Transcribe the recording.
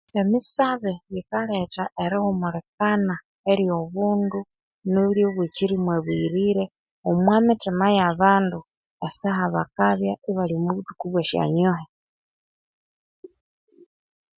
Emisabe yikaletha erihumulikana eryo bundu neryo bwa chirimu abughirire omwamithima yabandu esaha bakabya ibalhi omwabuthuku bwesyonyuhi